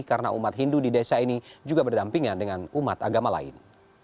karena umat hindu di desa ini juga berdampingan dengan umat agama lain